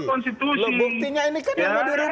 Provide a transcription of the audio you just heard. tidak akan tidak akan niatkan untuk menabrak konstitusi